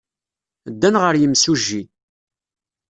Ddan ɣer yimsujji.